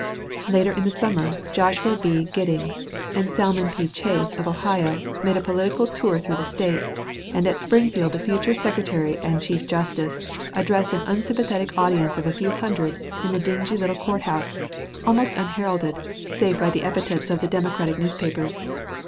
Later in the summer Joshua B. Giddings and Salmon P. Chase, of Ohio, made a political tour through the State, and at Springfield the future Secretary and Chief Justice addressed an unsympathetic audience of a few hundreds in the dingy little court house, almost unheralded, save by the epithets of the Democratic newspapers.